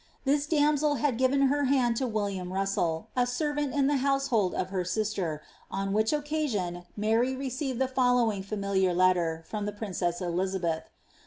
This damsel had given her hand to William RusselL a servant in the household of her sister, on which occasion 31ary receiTed the following familiar letter* from the princess Elizabeth.